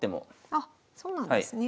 あそうなんですね。